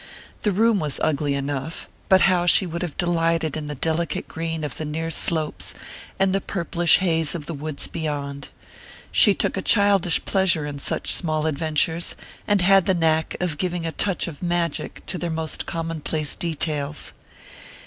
The room was ugly enough but how she would have delighted in the delicate green of the near slopes, and the purplish haze of the woods beyond! She took a childish pleasure in such small adventures, and had the knack of giving a touch of magic to their most commonplace details.